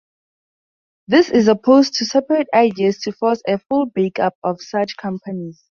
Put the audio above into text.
This is opposed to separate ideas to force a full break-up of such companies.